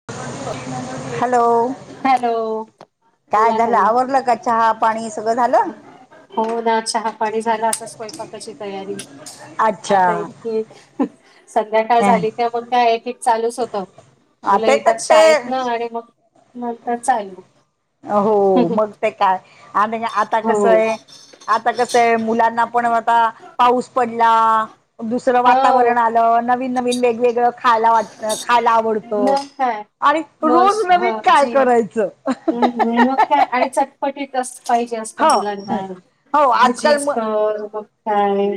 [inaudible] Hello hello काय बोला झालं ताई आवरल का चहा? पाणी सगळं झालं हो ना चहा पाणी झालं आता स्वयपाकाची तयारी. अच्छा आता इतकी संध्याकाळ ह झाली त्या म्हग काय एक एक चालूच होत. मुलं आता तक येतात ते शाळेत न आणि मग नंतर चालू. हो मग ते काय आणि आता कस हो आहे. आता कसं आहे मुलांना पण आता पाऊस पडला दुसरं हो वातावरण आलं. नवीन नवीन वेगवेगळं खायला वाटत. खायला आवडत मग काय आणि रोज मस नवीन काय करायचं? आणि मग काय आणि चटपटीत. तस पाहिजे असत ह मुलांना हो आजकाल भजीच म तळ मग काय.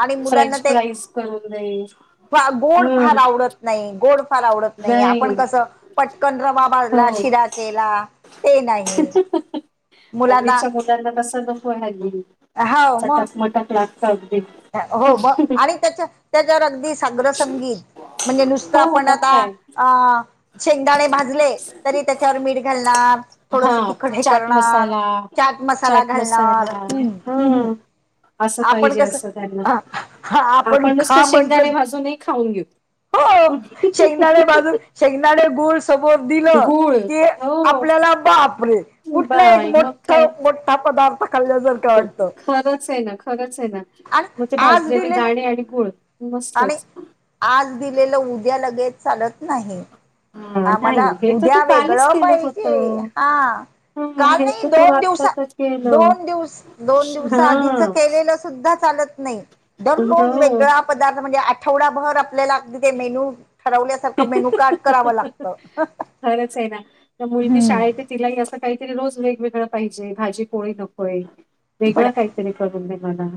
आणि फ्रेंच फ्राईज करून दे. फा गोड हम्म फार आवडत नाही गोड. फार आवडत नाही आपण कसं पटकन रवा हो भाजला शिरा केला ते नाही. हल्ली मुलांना च्या मुलांना तसं नको हल्ली हो मग चटक मटक लागत अगदी. हो मग आणि त्याच्या त्याच्यावर अगदि सागड संगी म्हणजे नुसत हो आपन मग आता काय आ शेंगदाणे भाज ले तरी त्याच्यावर मीठ घालणार, हा थोडस तिखट हे चाट करणार. मसाला चाट मसाला चाट घालणार मसाला ह म हुं हम. हम्म असं आपण पाहिजे कस असं त्यांना हा आपण हा नुसते खा शेंगदाणे म्हंटल की. भाजूनही खाऊन घेऊ हो शेंगदाणे भाजून शेंगदाणे गुळ समोर दिलं. गुळ कि हो आपल्याला बापरे! कुठला एक बाय मग मोठ काय मोठा पदार्थ खाल्ल्या सारखं वाटतं. खरंच आहे ना! खरंच आहे ना! आणि मग आज भाजलेले दिलेलं दाणे आणि गुळ आणि मस्तच. आज दिलेलं उद्या लगेच चालत नाही. हा, नाही आम्हाला हे तर तू उद्या कालच वेगळं केलं पाहिजे होतं हा. हं, का हे नाही तर तू दोन आत्ता दिवसा तर केलं दोन दिवस दोन दिवसा आधीच हा केलेलं सुद्धा चालत नाही दररोज हो वेगळा. पदार्थ म्हणजे आठवडाभर आपल्याला मेन्यू ठरवल्यासारखं मेन्यू कार्ड कराव लागत. हो! खरंच आहे ना. त्या मुलगी शाळेत तिलाही असं काहीतरी रोज वेगवेगळ पाहिजे भाजी पोळी नकोय. पण वेगळं काहीतरी करून दे मला.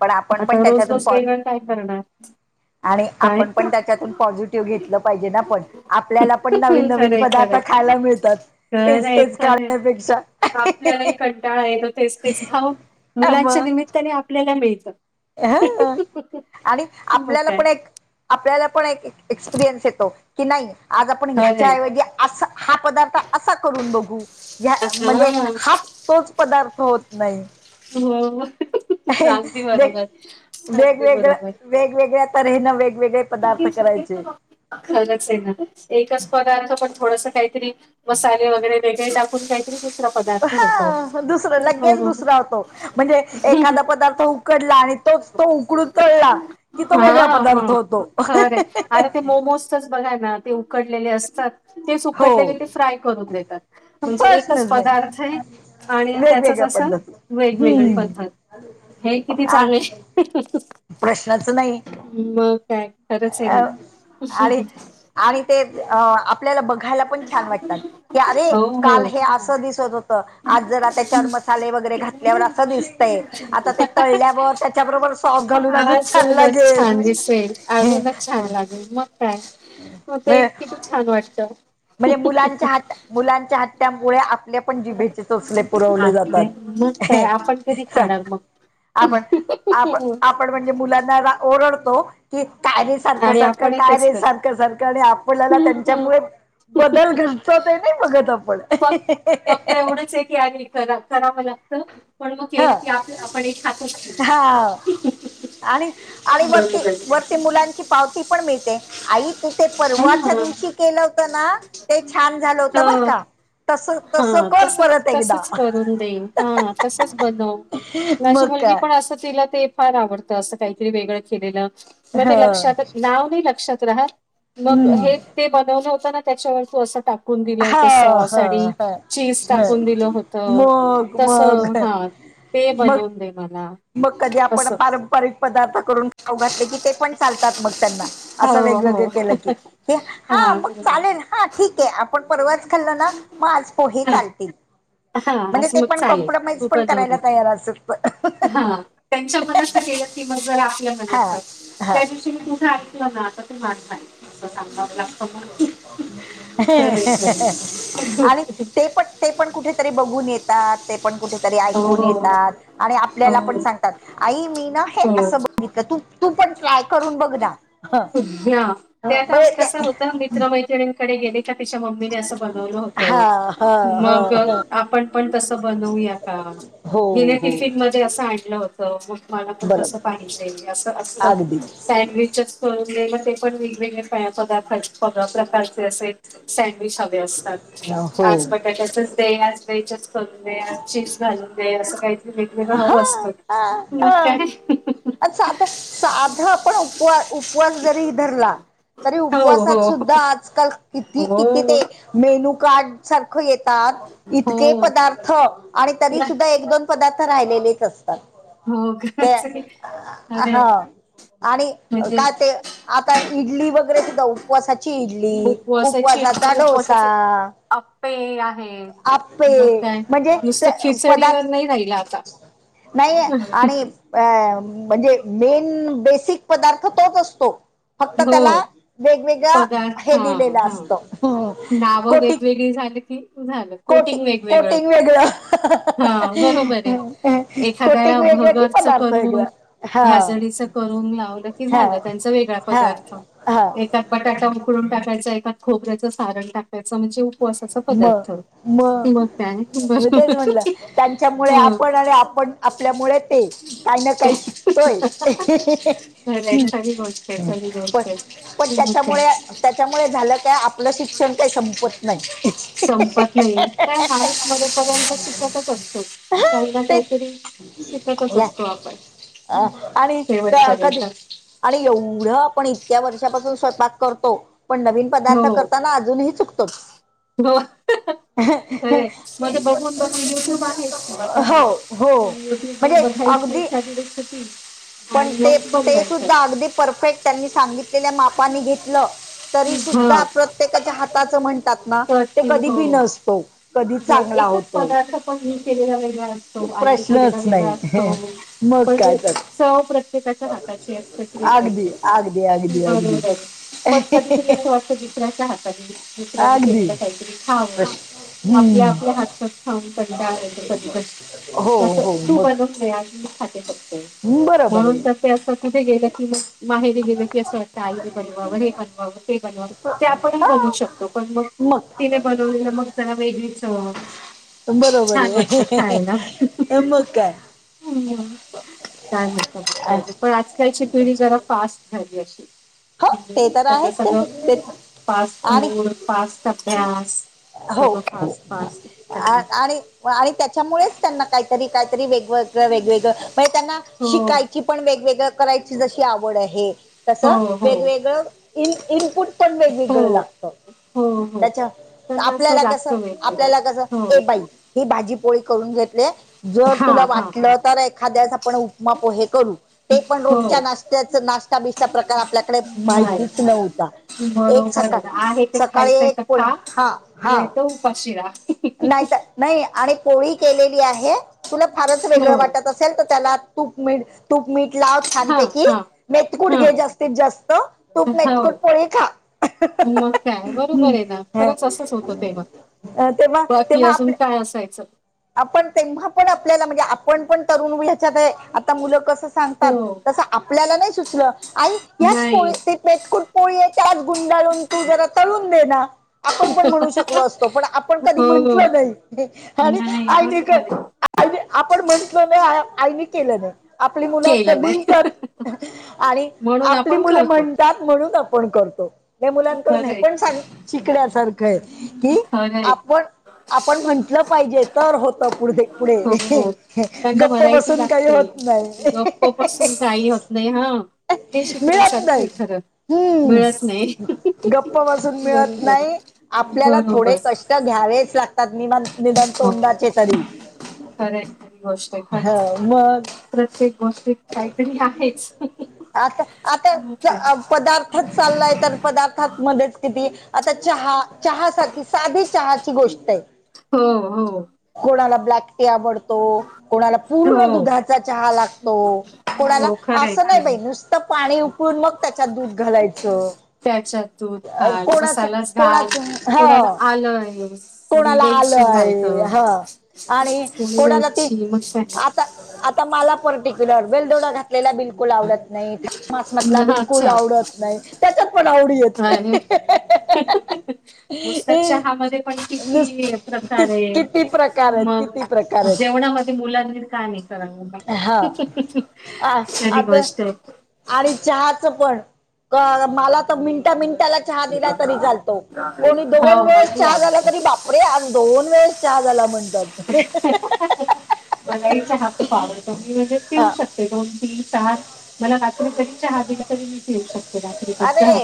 पण आपण आता पण त्याच्यातून रोज-रोज पा वेगळं काय करणार? आणि काय? आपण पण त्याच्यातून. पॉझिटिव्ह घेतलं पाहिजे ना पण आपल्याला पण नवीन नवीन पदार्थ खायला मिळतात. घर तेच आहे तेच खर आहे खाण्यापेक्षा आपल्यालाही कंटाळा आहेेत तेच तेच खाऊन. मुलांच्या मग निमित्ताने आपल्याला मिळतं. ह आणि मग आपल्याला काय? पण एक आपल्याला पण एक एक्सपिरियन्स येतो की नाही. आज आपण ह्याच्या खरंय. ऐवजी अस हा पदार्थ असा करून बघू. ह म्हणजे हां. हात तोच पदार्थ होत नाही. होय होय. ह वेग अगदी वेगवेगळं बरोबर. वेगवेगळ्या तऱ्हेन वेगवेगळे. पदार्थ करायचे खरंच आहे ना एकच पदार्थ पण थोडस काहीतरी. मसाले वगैरे वेगळे टाकून काहीतरी दुस हा दुसरं लगेच दुसरा होतो म्हणजे एखादा पदार्थ. कडला आणि तोच तो उकडून तळला की तो वेगळा पदार्थ होतो. खरे अरे ते मोमोज तरच बघा ना ते उकडलेले असतात. ते हो सुकटलेले ते फ्राय करून देतात, म्हणजे एकच प्रश्नच नाही पदार्थ आहे. आणि त्याचच वेगवेगळ्या असं पद्धती वेगवेगळी हम्म पद्धत हे किती चांगली. [inaudible] प्रश्नाच नाही. मग काय. खरंच आहे अ ना आणि आणि ते अ आपल्याला बघायला पण छान वाटतात. की अरे! हो हो काल हे असं दिसत होतं आज जरा त्याच्यावर मसाले वगैरे घातल्यावर असं दिसतय. आता ते तळल्यावर त्याच्याबरोबर सॉस घालून अजून छान अजूनच लागेल छान दिसेल हे अजूनच छान लागेल मग काय मग ते किती छान वाटतं म्हणजे मुलांच्या हट मुलांच्या हट्ट्यामुळे आपले पण जिभेचे सोचले पुरवले आपले जातात मग काय आपण कधी खाणार मग? आपण आप आपण म्हणजे मुलांना ओरडतो की काय रे सारखं आणि सारखं आपणही काय तेच रे कर सारखं सारखं आणि आपल्याला त्यांच्यामुळे बदल घडतंच नाही बघत आपण तेवढेच एक यारी करा कराव लागत पण मग ह केलं की आप आपण हे खात हा असतो आणि आणि मग ते मुलांची पावती पण मिळते आई तू ते परवाच्या हा. दिवशी केलं होत ना ते छान झालं होत बर तर का. तस तस हां, कर तसं परत एकदा तसंच करून दे हा तसंच बनव माझी मग मुलगी काय पण असं तिला ते फार आवडतं असं काहीतरी वेगळं केलेलं म मग ह ते लक्षात नाव नाही लक्षात राहात मग हम्म हे ते बनवलं होतं ना त्याच्यावर तू असं टाकून दिलं ह होतं सॉस ह आणि ह चीज ह टाकून दिलं होत मग तस मग हा ते मग बनवून दे मला मग कधी आपण असं. पारंपरिक पदार्थ करून खाऊ घातले की ते पण चालतात मग त्यांना असं हो, वेगवेगळ हो. केलं की हे हा हां, मग बरोबर. चालेल हा ठीक आहे आपण परवाच खाल्लं ना मग आज पोहे हां, चालतील हां, म्हणजे असं ते मग पण चालेल. कॉम्प्रोमाइज तू पण बनव दे. करायला तयार असत त्यांच्या मनाच केलं की मग जरा आपल्या हा मनाच हा त्या दिवशी मी कुठं ना आता तर माझं हाय ह खरंय, खरंय. [unintelligible] आणि ते पण ते पण कुठेतरी बघून येतात ते पण कुठेतरी ऐकून हो, येतात आणि आपल्याला पण हो, सांगतात आई मी ना हे हो. असं ब घितलं तू तू पण ट्राय करून बघ ना हा ह ते आता बरे कसं ते होतं मित्र-मैत्रिणींकडे गेले तिच्या मम्मीने असं बनवलं हा होत. ह मग ह ह आपण पण तसं बनवूया का. हो हिने हो टिफिन मध्ये असं आणलं होतं मग मला पण तसं बरोबर पाहिजे असं अस. अगदी सँडविचंच करून दे ते पण वेगवेगळे पदार्थाचे प्रकारचे असे एक सॅडविच ह. असतात आज हो. बटाट्याचच दे आज वेजच करून दे आज चिप्स घालून दे असं काहीतरी वेगवेगळं हवं असतं मग काय अ साध साध आपण उपवा उपवास जरी धरला तरी हो उपवासात हो सुद्धा आजकाल किती किती हो ते. मेनू कार्ड सारखं येतात इतके हो. पदार्थ आणि तरी सुद्धा एक दोन. पदार्थ राहिलेलेच असं हो काच आहे. अरे हा आणि म्हणजे का ते आता इडली वगैरे सुद्धा. उपवासाची इडली उपवासाची उपवासाचा डोसा. उपवासाचे आप्पे आहेत आप्पे मग काय म्हणजे नुसतं पदार्थ खिचडीवर नाही राहिलं आता. नाही आणि. अ म्हणजे मेन बेसिक पदार्थ तोच असतो. फक्त हो त्याला वेगवेगळा पदार्थ हे हां दिलेलं हां. असतं हम्म कोटीक. तो झालं कोटिंग वेगवेगळं हा बरोबर आहे एखाद्या कोटिंग वेगळं कि भगरचा पदार्थ करून वेगळं हा भाजडीचा करून लावलं की हा झालं त्यांचा वेगळा हा पदार्थ हा एकात बटाटा उकडून टाकायचा एकात खोबऱ्याचं सारण टाक कायच्या म्हणजे उपवासाचा मग पदार्थ मग कि मंग. तेच म्हटलं [unintelligible] त्यांच्यामुळे आपण आणि आपण आपल्यामुळे ते काही ना ते काही शिकतोय. खरं आहे तरी बोलते तरी पण बोलते. पण त्याच्यामुळे [unintelligible] त्याच्यामुळे झालं काय आपलं शिक्षण काही संपत नाही. संपत नाही काय [unintelligible] मरे पर्यंत शिकतच असतो. काही ना ते काहीतरी शिकतच या असतो आपण अ, आणि क- कधी शेवटपर्यंत. आणि एवढं आपण इतक्या वर्षापासून स्वयंपाक करतो पण नवीन पदार्थ हो. करताना अजूनही चुकतोच. हो खरं आहे मध्ये बघून-बघून युट्यूब आहे बघायला हो हो यट्यूब मग म्हणजे बघायची अगदी एखादि रेसिपी पण आणि मग ते ते बनवायचं. सुद्धा अगदी परफेक्ट त्यांनी सांगितलेल्या मापानी घेतलं तरी सुद्धा हां. प्र त्येकाच्या हाताचं म्हणतात ना तर ते ती कधी बी हो. नसतो. कधी हो चांगला एकच होतो पदार्थ पण मी केलेला वेगळा असतो आई ने केलेला प्रश्नच वेगळा नाही असतो मग पर काय तर सौ प्र त्येकाचा हाताची असते ती वेगवेगळी अगदी अगदी की अगदी अगदी बरोबर आहे पण कधीतरी असं वाटतो की दुसऱ्याचा हातानी दुसऱ्यानी अगदी केलेला काहीतरी खाऊ. प्रश्न आपल्या हम्म आपल्या हातात खाऊन कंटाळा येतो कधी-कधी. हो तसं हो तू मग बनवून दे आज मी खाते फक्त. बरोबर म्हणून तर आहे ते असं कुठे गेलं की मग माहेरी गेलं की असं वाटतं आईने बनवाव हे बनवाव ते बनवाव. ते आपणही हा बनवू शकतो पण मग तिने बनवलेलं मग त्याला वेगळीच चव पण बरोबर छान वाटतं आहे तर मग काय. हम्म काय म्हणता मग की आजकालची पिढी जरा फास ठगी अशील. हो ते तर त्यांच आहेत सगळं ते फास्ट आणि फूड, फास्ट अभ्यास हो सगळं हो फास्ट फास्ट आ त्यांना आणि आणि त्याच्यामुळेच त्यांना काहीतरी काहीतरी वेगवेगळं वेगवेगळं म्हणजे त्यांना हो शिकायची पण वेगवेगळं करायची जशी आवड आहे तसं हो हो वेगवेगळं इन इनपुट पण वेगवेगळं हो लागतं. हो. हो त्याच्या त्यांना असं आपल्याला कसं लागतं वेगवेगळं आपल्याला कसं ए हो बाई ही भाजीपोळी करून घेतले जर हा तुला हा वाटलं तर एखाद्यास आपण उपमा, पोहे करू. ते पण रोजच्या हो नाश्त्याच नाश्ता बिश्ता प्रकार आपल्याकडे नाही माहितीच नव्हता. एक बरोबर सकाळ आहे ते सकाळी खायचंय तर एक पोळी खा नाही तर उपाशि राह. नाहीत नाही आणि पोळी केलेली आहे तुला फारच वेगळं हो वाटत अ सेल तर त्याला तूप मीड तूप मीठ लाव हा छानपैकी हा मेेतकूट हा घे जास्तीत जास्त तूप, हो मेतकूट, पोळी खा. मग काय बरोबर हम्म. आहे ना ह खरंच असंच होतं तेव्हा तेव्हा बाकी तेव्हा अजून आपल्या काय असायचं आपण तेव्हा पण आपल्याला म्हणजे आपण पण तरुण ह्याच्यात आहे आता मुलं कस सांगतात हो तस आपल्याला नाही सुचलं आई ह्याच नाही पोळी.. मेतकुट पोळी आहे त्यात गुंडाळून तू जरा तळून दे ना आपण पण म्हणू शकलो असतो पण आपण कधी हो म्हटलं नाही आणि नाही आईनी बरोबर क आहे आईनी आपण म्हंटलो नाही आईनी केलं नाही आपली मुलं कर केलं नाही म्हणतात आणि म्हणून आपली आपण मुलं करतो म्हण तात म्हणून आपण करतो हे मुलांकडून हे खरंय पण सांग शिकण्यासारखं आहे कि खरंय आपण आपण म्हटलं पाहिजे तर होत पुढे पुढे हो त्यांना गप्प व्हरायटी बसून काही लागते होत नाही गप्प पासून काही होत नाही हा हे मिळत शिकण्यासारखंय नाही खरं मिळत नाही हम्म गप्प बसून मिळत बरोबर आहे. नाही आपल्याला थोडे बरोबर कष् ष्ट घ्यावेच लागतात निमान निदान हो तोंडाचे तरी खरंय खरी गोष्ट आहे हो खरीच आहे. मग प्रत्येक गोष्टीत काहीतरी आहेच मग काय [unintelligible] चालाय तर पदार्थात मध्येच किती आता चहा चहा सारखी साधी चहाची गोष्टय हो हो कोणाला ब्लॅक टी आवडतो कोणाला पूर्ण हो दुधाचा चहा लाग तो कोणाला हो खरंय असं नाही खरंय बाई नुसतं पाणी उकळून मग त्याच्यात दूध घालायचं त्याच्यात दूध अ, घाल कोणाचं मसालाच घाल कोणाचं कोणाला हा आलं आहे कुणी कोणाला वेलची घालत आलंय ह आणि कुणी कोणाला ती वेलची मग श आता आता मला पर्टिक्युलर बेलदोडा घातलेला बिलकुल आवडत नाही मासमतला काय बिलकुल आवडत नाही त्याच्यात पण आवडीये [unintelligible] नुसता चहा मध्ये पण किती कि प्रकारये किती प्रकार आहेत मग किती प्रकार आहेत जेवणामध्ये मुलांनी का नाही कराव हा खरी आता गोष्टय आणि चहाचं पण मला तर मिनटा मिनटा ला चहा दिला तरी चालतो कोणी दोन हो वेळेस मलाही चहा झाला आवडतं तरी बापरे आ ज दोन वेळेस चहा झाला म्हणतात मलाही चहा खूप आवडतो मी म्हणजे पीऊ हा शकते दोन चार मला रात्री जरी चहा तरी मीे पिऊ शकते रात्रीपण चहा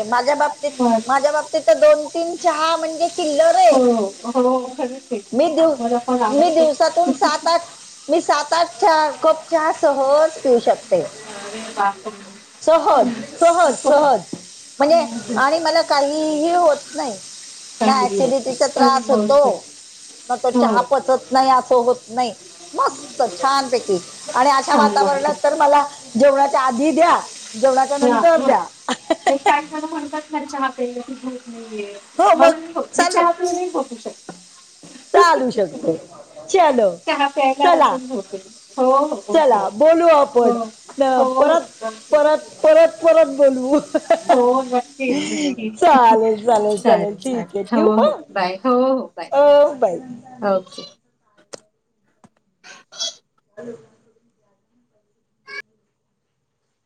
तिथं दोन तीन चहा म्हणजे चिल्लर हो ये, हो खरंच आहे मी दिव मला पण मी आवडतो दिवसातून सात आठ मी सात-आठ चहा कप चहा सहज पिऊ शकते. अरे बापरे! सहज सहज इतकं सहज म्हणजे, आणि मला काहीही होतं नाही. ना चांगली असते ॲसिडिटीचा खरी त्रास होतो, गोष्ट आहे. म तो चहा हो पचत नाही असं होतं नाही, मस्त छानपैकी आणि अशा छान वाटतं वातावरणात तर मला जेवणाच्या आधी द्या, जेवणाच्या हा नंतर हा द्या. ते काय जण म्हणतात ना चहा पिल की झोप नाही येत, हो मग मला नाही होतं मी चालू चहा आंता नाहीं बोलूं शकतं चालू शकतो मं चलो चहा प्यायला होते हो हो ओके चलां ओके बोलूं हो आपणं हो हो परंत ओके परंत परंत परंत बोलूं. हो नक्कीच नक्की चालेलं चालेल चालेल ठीक आहे ठेवूं हो हो मंग बाय हो बाय हो बांय. हो [inaudible] [unintelligible] धन्यंवाद